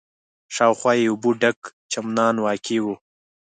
شاوخوا یې اوبو ډک چمنان واقع و.